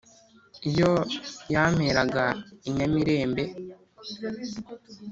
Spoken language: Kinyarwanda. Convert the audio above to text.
iyo yamperaga i nyamirembe.